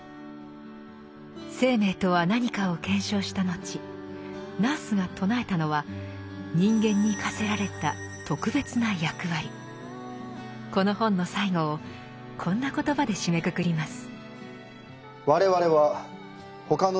生命とは何かを検証した後ナースが唱えたのはこの本の最後をこんな言葉で締めくくります。